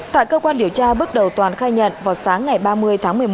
tại cơ quan điều tra bước đầu toàn khai nhận vào sáng ngày ba mươi tháng một mươi một